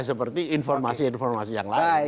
seperti informasi informasi yang lain